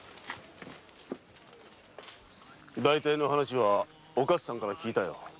大体の話はお勝さんから聞いた。